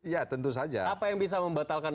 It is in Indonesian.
ya tentu saja apa yang bisa membatalkan